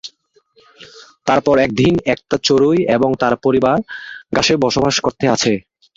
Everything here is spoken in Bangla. তারপর একদিন, একটা চড়ুই এবং তার পরিবার গাছে বসবাস করতে আসে।